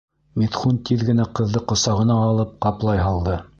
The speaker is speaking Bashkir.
Митхун тиҙ генә ҡыҙҙы ҡосағына алып, ҡаплай һалды.